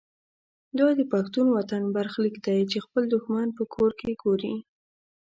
دا د پښتون وطن برخلیک دی چې خپل دښمن په کور کې ګوري.